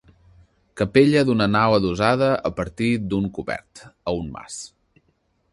Capella d'una nau adossada, a partir d'un cobert, a un mas.